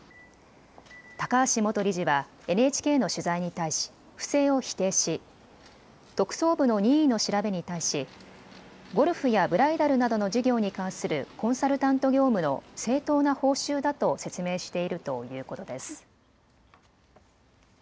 高橋元理事はＮＨＫの取材に対し不正を否定し特捜部の任意の調べに対しゴルフやブライダルなどの事業に関するコンサルタント業務の正当な報酬だと説明しているということです。